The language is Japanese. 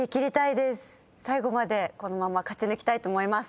最後までこのまま勝ち抜きたいと思います。